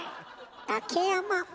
竹山。